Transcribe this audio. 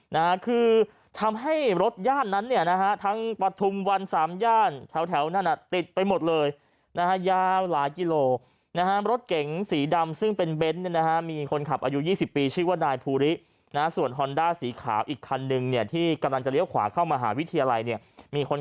น่าคือทำให้รถย่านนั้นเนี่ยนะฮะทั้งปะทุ่มวันสามย่านแถวนั่นอ่ะติดไปหมดเลยนะฮะยาวหลายกิโลนะฮะรถเก่งสีดำซึ่งเป็นบนเนี่ยนะฮะมีคนขับอายุยี่สิบปีชื่อว่านายภูริน่ะส่วนฮอนด้าสีขาวอีกคันหนึ่งเนี่ยที่ก